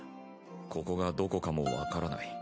ここがどこかもわからない。